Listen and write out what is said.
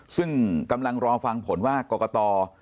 ซึ่งกำลังรอฟังผลว่ากรกต